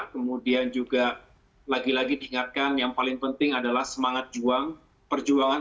kemudian juga lagi lagi diingatkan yang paling penting adalah semangat perjuangan